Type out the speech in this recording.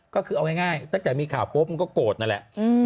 ก็คือเอาง่ายตั้งแต่มีข่าวปุ๊บมันก็โกรธนั่นแหละ